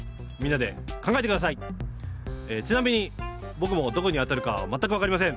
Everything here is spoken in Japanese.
ちなみにぼくもどこにあたるかまったくわかりません。